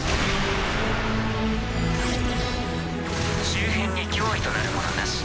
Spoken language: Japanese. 周辺に脅威となるものなし。